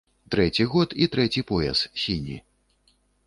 Трэці год і трэці пояс, сіні.